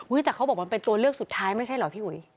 แต่เขาบอกมันเป็นตัวเลือกสุดท้ายไม่ใช่เหรอพี่อุ๋ย